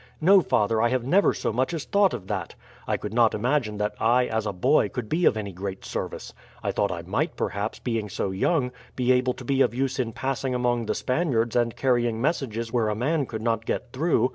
"No, father; I have never so much as thought of that. I could not imagine that I, as a boy, could be of any great service. I thought I might, perhaps, being so young, be able to be of use in passing among the Spaniards and carrying messages where a man could not get through.